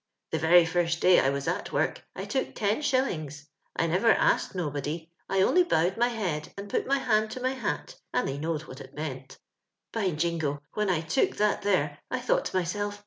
" The very first day I was at work I took ten shillings. I never asked nobody; I only bowed my head and put my hand to my hat, and they knowed what it meant. ♦* By jingo, when I took that there I thought to myself.